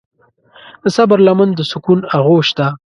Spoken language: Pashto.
د صبر لمن د سکون آغوش ده.